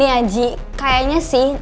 nih aji kayaknya sih